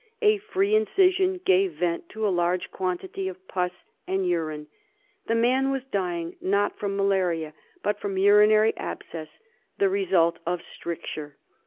A free incision gave vent to a large quantity of pus and urine. The man was dying not from malaria but from urinary abscess, the result of stricture.